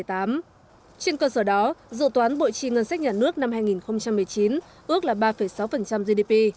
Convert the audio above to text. trên cơ sở đó dự toán bộ chi ngân sách nhà nước năm hai nghìn một mươi chín ước là ba sáu gdp